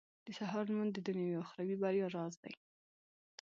• د سهار لمونځ د دنيوي او اخروي بريا راز دی.